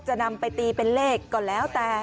จะนำไปตีเป็นเลขก็แล้วแต่